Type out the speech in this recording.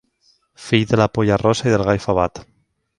Fill de la polla rosa i del gall favat.